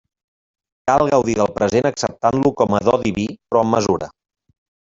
Cal gaudir del present acceptant-lo com a do diví però amb mesura.